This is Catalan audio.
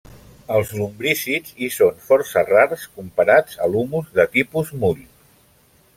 Els lumbrícids hi són força rars, comparat a l'humus de tipus mull.